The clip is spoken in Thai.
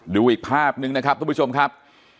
ดูอีกภาพนึงนะครับทุกผู้ชมครับ